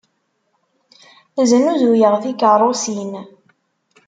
Znuzuyeɣ tikeṛṛusin.